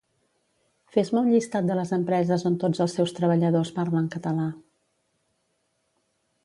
Fes-me un llistat de les empreses on tots els seus treballadors parlen català